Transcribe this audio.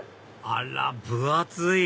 あら分厚い！